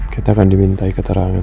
kita akan dimintai keterangan